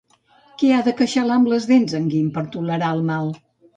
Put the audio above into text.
Què ha de queixalar amb les dents en Guim per tolerar el mal?